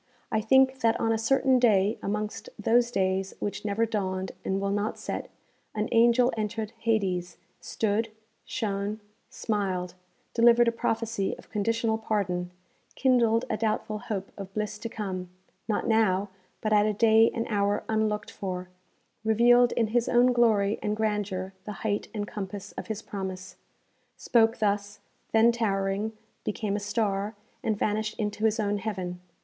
I think that on a certain day amongst those days which never dawned, and will not set, an angel entered Hades, stood, shone, smiled, delivered a prophecy of conditional pardon, kindled a doubtful hope of bliss to come, not now, but at a day and hour unlooked for, revealed in his own glory and grandeur the height and compass of his promise spoke thus, then towering, became a star, and vanished into his own heaven.